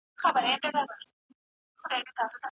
ورووځه د خپلي اوښي تر ذبحي مخکي د هيچا سره خبري مکوه.